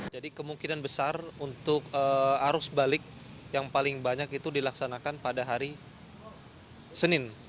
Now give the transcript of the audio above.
jadi kemungkinan besar untuk arus balik yang paling banyak itu dilaksanakan pada hari senin